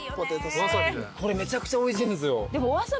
これめちゃくちゃおいしいんですよ。